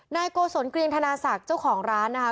โกศลเกรียงธนาศักดิ์เจ้าของร้านนะคะ